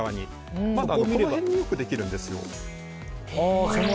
この辺によくできるんです。